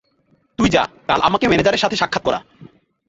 তুই যা, কাল আমাকে ম্যানেজারের সাথে সাক্ষাৎ করা।